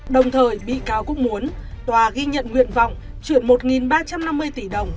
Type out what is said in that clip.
đồng thời bị cáo cũng muốn tòa ghi nhận nguyện vọng chuyển một ba trăm năm mươi tỷ đồng